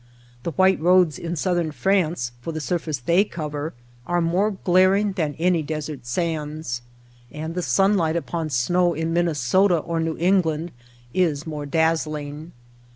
The white roads in Southern France, for the surface they cover, are more glaring than any desert sands ; and the sunlight upon snow in Minnesota or New England is more dazzling.